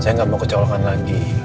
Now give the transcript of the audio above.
saya nggak mau kecolokan lagi